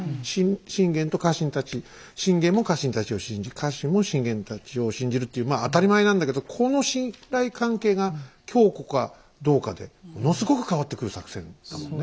信玄と家臣たち信玄も家臣たちを信じ家臣も信玄を信じるっていうまあ当たり前なんだけどもこの信頼関係が強固かどうかでものすごく変わってくる作戦だもんね。